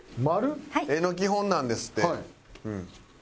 絵の基本なんですって。